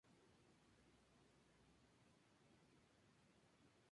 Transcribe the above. Al fin los dos Walter Bishop se hallan frente a frente.